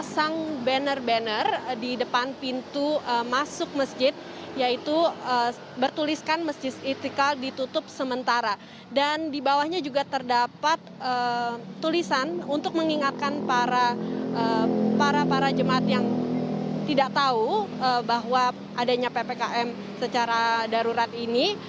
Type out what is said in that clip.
saya ada tulisan untuk mengingatkan para jemaat yang tidak tahu bahwa adanya ppkm secara darurat ini